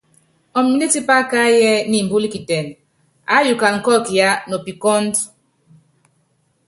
Ɔmindɛ́ tipá kaáyíɛ niimbúluikitɛnɛ, aáyukana kɔ́ɔkɔ yaa nɔpikɔ́ɔ^du.